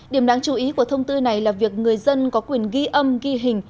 điểm đáng chú ý của thông tư này là việc người dân có quyền ghi âm ghi hình